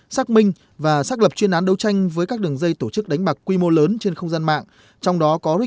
xác minh và xác lập chuyên án đấu tranh với các đường dây tổ chức đánh bạc quy mô lớn trên không gian mạng